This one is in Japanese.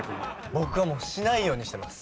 僕はしないようにしてます。